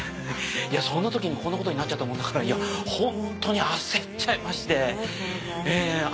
そんな時にこんなことになっちゃったもんだからホントに焦っちゃいましてええ。